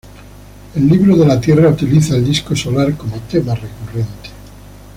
El Libro de la Tierra utiliza el disco solar como tema recurrente.